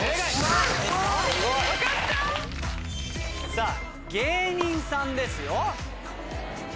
さぁ芸人さんですよ。